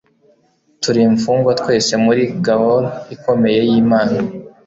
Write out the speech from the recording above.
Turi imfungwa twese muri Gaol Ikomeye yImana